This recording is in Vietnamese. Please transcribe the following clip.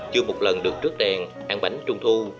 chưa một lần được trước đèn ăn bánh trung thu